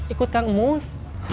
ikut kang mus